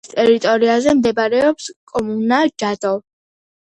მთიანეთის ტერიტორიაზე მდებარეობს კომუნა ჯადო.